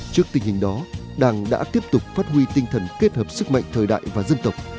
trước tình hình đó đảng đã tiếp tục phát huy tinh thần kết hợp sức mạnh thời đại và dân tộc